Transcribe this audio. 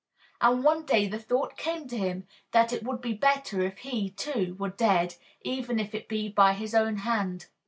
And one day the thought came to him that it would be better if he, too, were dead, even if it be by his own hand.